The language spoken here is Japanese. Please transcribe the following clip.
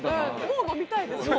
もう飲みたいですもん。